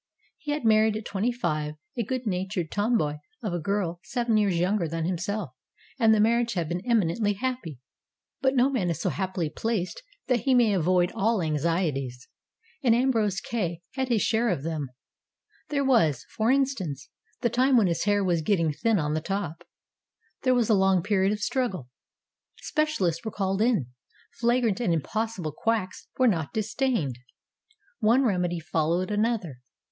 He had married at twenty five a good natured tomboy of a girl seven years younger than himself, and the mar riage had been eminently happy. But no man is so happily placed that he may avoid all anxieties, and Ambrose Kay had his share of them. There was, for instance, the time when his hair was 241 242 STORIES WITHOUT TEARS getting thin on the top. There was a long period of struggle. Specialists were called in; flagrant and im possible quacks were not disdained. One remedy followed another.